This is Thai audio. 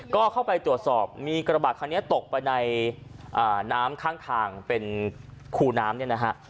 ก็เข้าไปตรวจสอบมีกระบะคันนี้ตกไปในน้ำข้างทางเป็นคู่น้ำเนี่ยนะฮะ